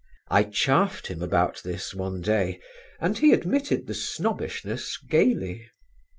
I chaffed him about this one day and he admitted the snobbishness gaily.